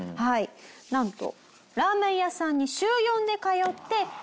なんと。